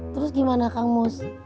terus gimana kang mus